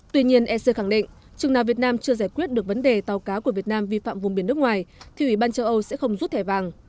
tuy nhiên ec khẳng định chừng nào việt nam chưa giải quyết được vấn đề tàu cá của việt nam vi phạm vùng biển nước ngoài thì ủy ban châu âu sẽ không rút thẻ vàng